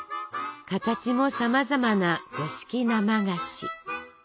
形もさまざまな五色生菓子！